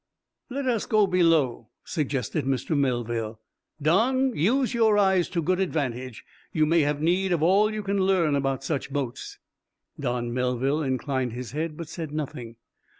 "Let us go below," suggested Mr. Melville. "Don, use your eyes to good advantage. You may have need of all you can learn about such boats." Don Melville inclined his head, but said nothing.